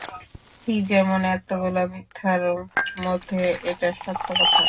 ঠিক যেমন এত্ত গুলা মিথ্যার মধ্যে এটা সত্য কথা।